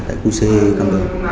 tại khu ckm